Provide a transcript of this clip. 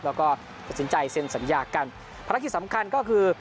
แล้วก็ตัดสินใจเซ็นสัญญากันภารกิจสำคัญก็คือ